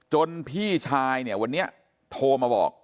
พี่ชายเนี่ยวันนี้โทรมาบอก